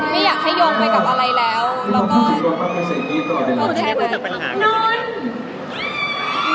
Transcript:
ไม่อยากให้ยงไปกับอะไรแล้วแล้วก็แชร์แบบนั้น